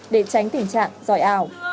để tránh tình trạng dòi ảo